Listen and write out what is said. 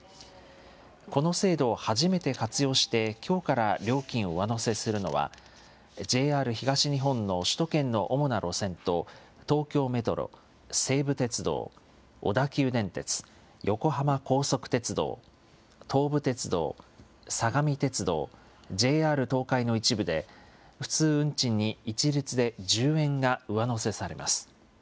この制度を初めて活用してきょうから料金を上乗せするのは、ＪＲ東日本の首都圏の主な路線と、東京メトロ、西武鉄道、小田急電鉄、横浜高速鉄道、東武鉄道、相模鉄道、ＪＲ東海の一部で、普通運賃に一律で１０円が上乗せされます。